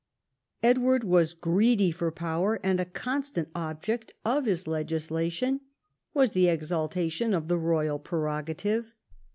Edward was greedy for power, and a constant object of his legislation was the exaltation of the royal pre rogative.